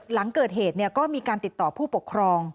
หลังเกิดเหตุก็มีการติดต่อผู้ปกครอง